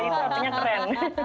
jadi itu artinya keren